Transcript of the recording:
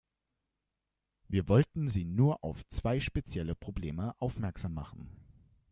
Wir wollten Sie nur auf zwei spezielle Probleme aufmerksam machen.